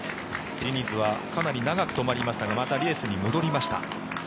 ディニズはかなり長く止まりましたがまたレースに戻りました。